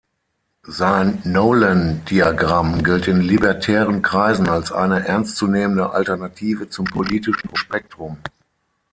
Sein Nolan-Diagramm gilt in libertären Kreisen als eine ernstzunehmende Alternative zum politischen Spektrum.